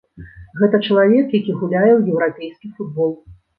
Гэта чалавек, які гуляе ў еўрапейскі футбол.